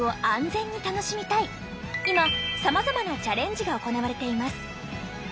今さまざまなチャレンジが行われています。